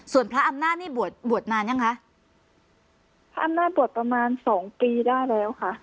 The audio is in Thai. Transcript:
ส่วนพระอำนาจนี่บวชบวชนานยังคะพระอำนาจบวชประมาณสองปีได้แล้วค่ะ